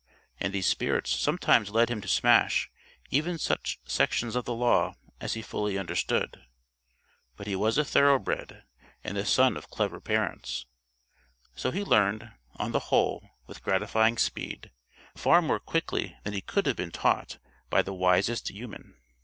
And these spirits sometimes led him to smash even such sections of the law as he fully understood. But he was a thoroughbred, and the son of clever parents. So he learned, on the whole, with gratifying speed far more quickly than he could have been taught by the wisest human.